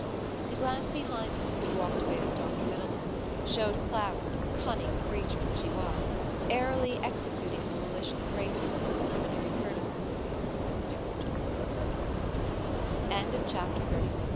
A glance behind him, as he walked away with Dr. Middleton, showed Clara, cunning creature that she was, airily executing her malicious graces in the preliminary courtesies with Mrs. Mountstuart. CHAPTER XXXV MISS MIDDLETON AND MRS.